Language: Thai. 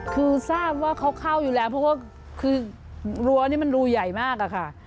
คือทราบว่าเขาเข้าอยู่แล้วเพราะว่าคือรั้วนี่มันรูใหญ่มากอะค่ะ